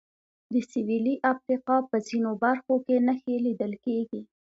د سوېلي افریقا په ځینو برخو کې نښې لیدل کېږي.